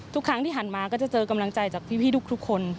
ทุกครั้งที่หันมาก็จะเจอกำลังใจจากพี่ทุกคน